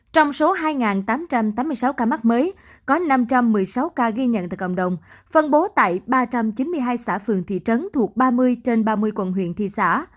trong số hai tám trăm tám mươi sáu ca mắc mới có năm trăm một mươi sáu ca ghi nhận tại cộng đồng phân bố tại ba trăm chín mươi hai xã phường thị trấn thuộc ba mươi trên ba mươi quận huyện thị xã